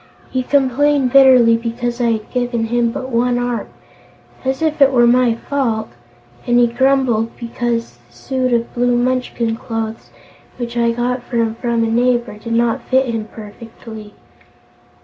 He complained bitterly because I had given him but one arm as if it were my fault! and he grumbled because the suit of blue Munchkin clothes, which I got for him from a neighbor, did not fit him perfectly."